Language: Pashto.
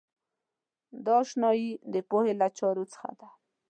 دا آشنایۍ د پوهې له چارو څخه ده.